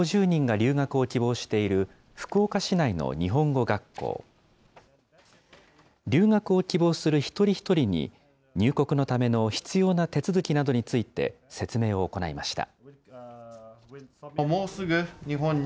留学を希望する一人一人に入国のための必要な手続きなどについて、説明を行いました。